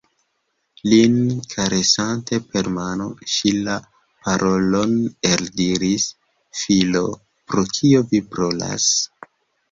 Lin karesante per mano, ŝi la parolon eldiris: « Filo, pro kio vi ploras?"